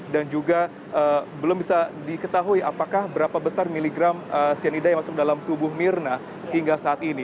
dan juga belum bisa diketahui apakah berapa besar miligram cyanida yang masuk dalam tubuh mirna hingga saat ini